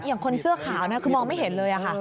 คนเสื้อขาวคือมองไม่เห็นเลยค่ะ